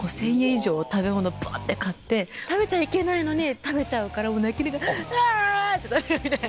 以上食べ物バって買って食べちゃいけないのに食べちゃうから泣きながらわって食べるみたいな。